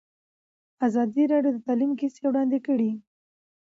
ازادي راډیو د تعلیم کیسې وړاندې کړي.